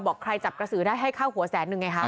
บอกใครจับกระสือได้ให้ค่าหัวแสนหนึ่งไงคะ